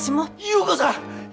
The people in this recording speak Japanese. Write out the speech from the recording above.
優子さん！